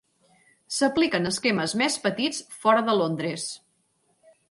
S'apliquen esquemes més petits fora de Londres.